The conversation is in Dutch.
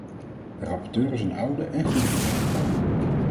De rapporteur is een oude en goede bekende van me.